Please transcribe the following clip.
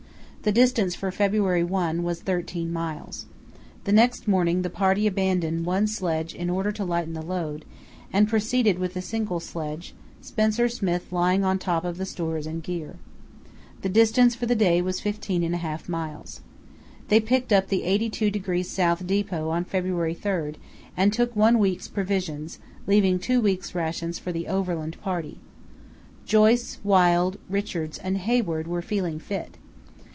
The distance for February 1 was 13 miles. The next morning the party abandoned one sledge in order to lighten the load, and proceeded with a single sledge, Spencer Smith lying on top of the stores and gear. The distance for the day was 15½ miles. They picked up the 82° S. depot on February 3, and took one week's provisions, leaving two weeks' rations for the overland party. Joyce, Wild, Richards, and Hayward were feeling fit.